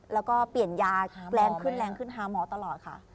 แล้วก็เปลี่ยนยาแรงขึ้นหาหมอตลอดค่ะ